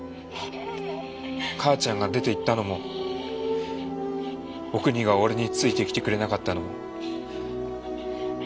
「母ちゃんが出ていったのもおくにが俺についてきてくれなかったのも俺がふがいないせいだ。